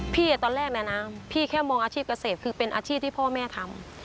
ตอนแรกนะพี่แค่มองอาชีพเกษตรคือเป็นอาชีพที่พ่อแม่ทำ